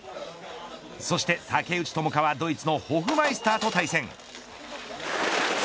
そして竹内智香はドイツのホフマイスターと対戦。